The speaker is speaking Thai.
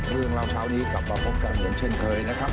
เรื่องราวเช้านี้กลับมาพบกันเหมือนเช่นเคยนะครับ